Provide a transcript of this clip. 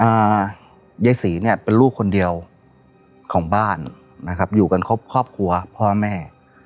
ยายศรีเนี่ยเป็นลูกคนเดียวของบ้านนะครับอยู่กันครบครอบครัวพ่อแม่